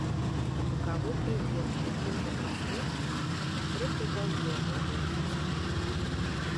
У бакавы прыдзел такім жа прасветам адкрыта і паўднёвая рызніца.